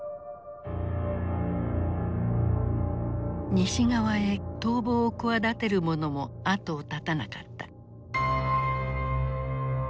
西側へ逃亡を企てる者も後を絶たなかった。